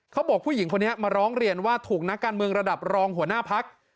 ผู้หญิงคนนี้มาร้องเรียนว่าถูกนักการเมืองระดับรองหัวหน้าพัก